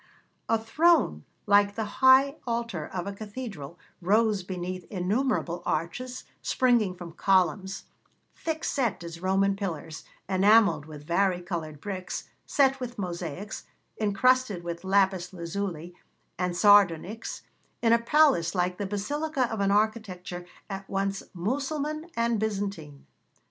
A throne, like the high altar of a cathedral, rose beneath innumerable arches springing from columns, thick set as Roman pillars, enamelled with vari coloured bricks, set with mosaics, incrusted with lapis lazuli and sardonyx, in a palace like the basilica of an architecture at once Mussulman and Byzantine.